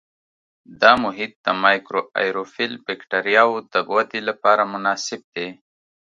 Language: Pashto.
دا محیط د مایکروآیروفیل بکټریاوو د ودې لپاره مناسب دی.